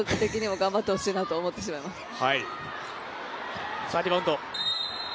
親心的にも頑張ってほしいなと思ってしまいます。